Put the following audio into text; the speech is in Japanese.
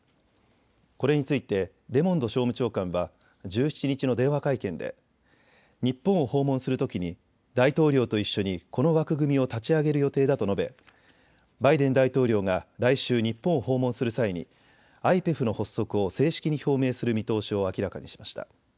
これについてレモンド商務長官は１７日の電話会見で日本を訪問するときに大統領と一緒にこの枠組みを立ち上げる予定だと述べバイデン大統領が来週、日本を訪問する際にＩＰＥＦの発足を正式に表明する見通しを明らかにしました。